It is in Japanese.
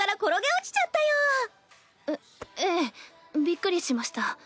びっくりしました。